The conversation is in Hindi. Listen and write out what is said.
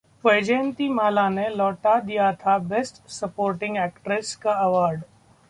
वैजंतीमाला ने लौटा दिया था बेस्ट सपोर्टिंग एक्ट्रेस का अवॉर्ड